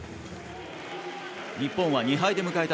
日本は２敗で迎えた